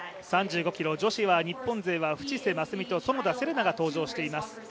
女子は日本勢は渕瀬真寿美と園田世玲奈が登場しています。